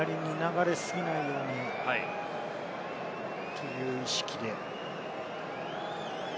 左に流れすぎないようにという意識で。